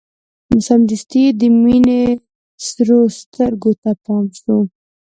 سمدستي يې د مينې سرو سترګو ته پام شو.